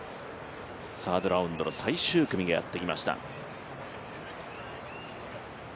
サードラウンドの最終組がやってきました。